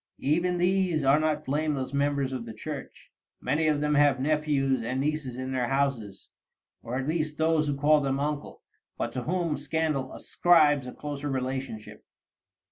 Even these are not blameless members of the Church. Many of them have nephews and nieces in their houses, or at least those who call them uncle, but to whom scandal ascribes a closer relationship.